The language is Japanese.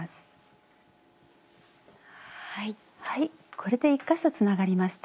これで１か所つながりました。